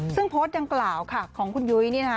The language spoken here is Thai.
ซึ่งโพสต์ดังกล่าวค่ะของคุณยุ้ยนี่นะคะ